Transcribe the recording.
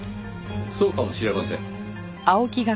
そうかもしれません。